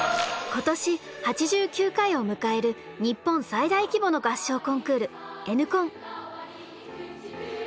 今年８９回を迎える日本最大規模の合唱コンクール